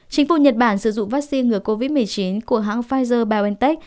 chính phủ nhật bản sử dụng vaccine ngừa covid một mươi chín của hãng pfizer biontech